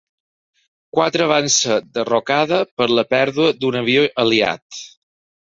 Quatre van ser derrocada per la pèrdua d'un avió aliat.